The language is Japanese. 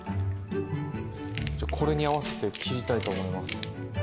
じゃあこれに合わせて切りたいと思います。